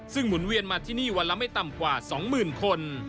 ซึ่งหมุนเวียนมาที่นี่วันละไม่ต่ำกว่า๒๐๐๐คน